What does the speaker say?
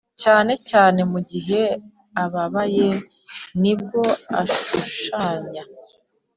cyane cyane mu gihe ababaye nibwo ashushanya.